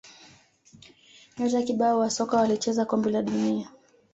nyota kibao wa soka walicheza kombe la dunia